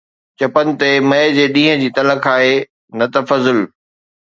چپن تي مئي جي ڏينهن جي تلخ آهي، نه ته فضل